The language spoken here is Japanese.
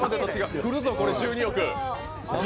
来るぞ、これ１２億。